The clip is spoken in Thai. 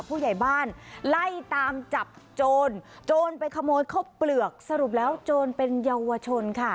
ผู้ใหญ่บ้านไล่ตามจับโจรโจรไปขโมยข้าวเปลือกสรุปแล้วโจรเป็นเยาวชนค่ะ